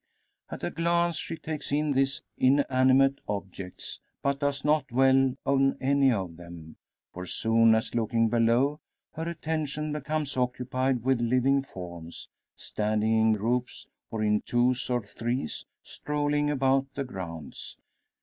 At a glance she takes in these inanimate objects; but does not dwell on any of them. For, soon as looking below, her attention becomes occupied with living forms, standing in groups, or in twos or threes strolling about the grounds.